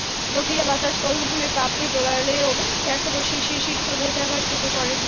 দক্ষিণা বাতাস কদম ফুলের পাপড়ি দোলালেও এখনো শিশিরসিক্ত ভেজা ঘাস চোখে পড়েনি।